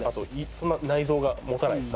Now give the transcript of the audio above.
そんな内臓がもたないです